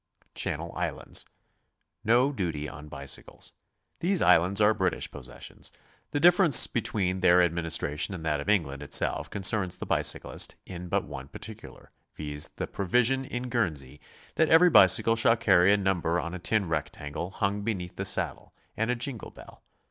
CHANNEL ISLANDS. No duty on bicycles. These islands are British possessions. The difference between their administration and tbat of England itself concerns the bicy clist in but one particular, viz., the provision in Guernsey that every bicycle shall carry a number on a tin rectangle hung beneath the saddle, and a jingle bell.